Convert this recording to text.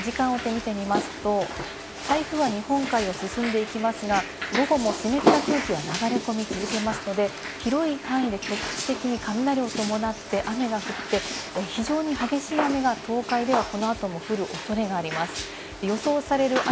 時間を追って見てみますと、台風は日本海を進んでいきますが、午後も湿った空気は流れ込み続けますので、広い範囲で局地的に雷を伴って雨が降って、非常に激しい雨が東海ではこの後も降るおそれがあります。